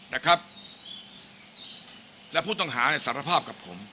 นะครับและผู้ต้องหาเนี่ยสารภาพกับผม